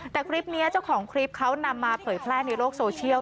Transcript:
แต่คลิปนี้เจ้าของคลิปเขานำมาเผยแพร่ในโลกโซเชียล